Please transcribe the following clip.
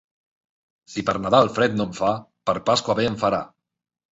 Si per Nadal fred no en fa, per Pasqua bé en farà.